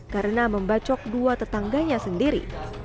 karena membacok dua tetangganya sendiri